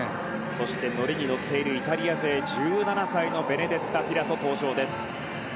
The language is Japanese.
そしてノリに乗っているイタリア勢１７歳のベネデッタ・ピラトが登場です。